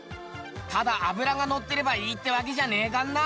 ただ脂がのってればいいってわけじゃねえからな。